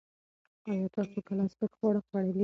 ایا تاسو کله سپک خواړه خوړلي دي؟